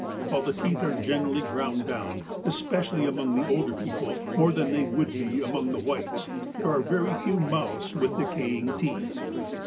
While the teeth are generally ground down, especially among the older people, more than they would be among the whites, there are very few mouths with decaying teeth.